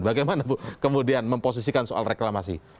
bagaimana bu kemudian memposisikan soal reklamasi